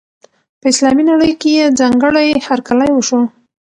په اسلامي نړۍ کې یې ځانګړی هرکلی وشو.